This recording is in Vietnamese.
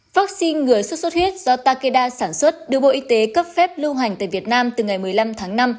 vắc xin ngừa xuất xuất huyết do takeda sản xuất đưa bộ y tế cấp phép lưu hành tại việt nam từ ngày một mươi năm tháng năm